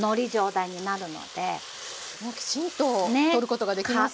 きちんととることができますね。